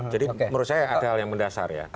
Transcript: jadi menurut saya ada hal yang mendasar ya